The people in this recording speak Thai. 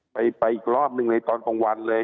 ไปอีกรอบหนึ่งเลยตอนกลางวันเลย